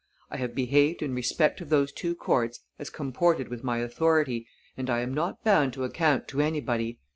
"I have behaved in respect of those two courts as comported with my authority, and I am not bound to account to anybody.